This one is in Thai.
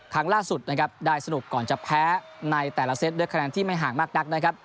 ครั้งล่าสุดนะครับได้สนุกก่อนจะแพ้ในแต่ละเซตด้วยคะแนนที่ไม่ห่างมากนักนะครับ